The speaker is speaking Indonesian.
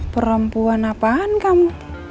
perempuan apaan kamu